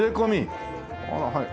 ああはい。